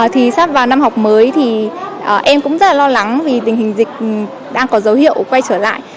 thì sắp vào năm học mới thì em cũng rất là lo lắng vì tình hình dịch đang có dấu hiệu quay trở lại